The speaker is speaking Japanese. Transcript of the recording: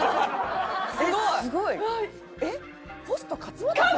すごい。